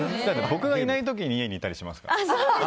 僕がいない時に家にいたりします。